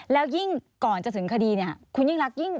แล้วยิ่งก่อนจะถึงคดีเนี่ยคุณยิ่งรักยิ่ง